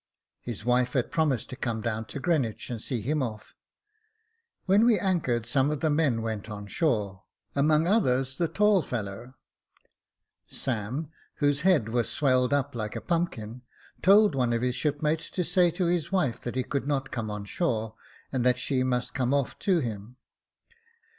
His wife had promised to come down to Greenwich and see him off. When we anchored, some of the men went on shore — 94 Jacob Faithful among others the tall fellow. Sam, whose head was swelled up like a pumpkin, told one of his shipmates to say to his wife that he could not come on shore, and that she must come off to him.